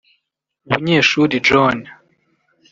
Bunyeshuli John